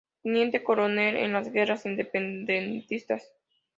Teniente coronel en las guerras independentistas.